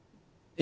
「え？